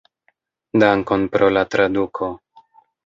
Dankon pro la traduko.